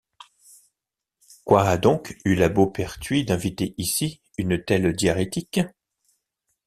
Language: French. Qu’ha doncques eu la Beaupertuys d’inviter icy une telle diarrhétique?